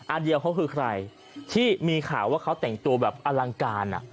อันเดียวเขาคือใครที่มีข่าวว่าเขาแต่งตัวแบบอลังการ